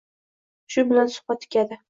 Shu bilan suhbat tugadi